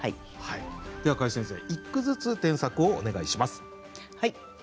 では櫂先生１句ずつ添削をお願いします。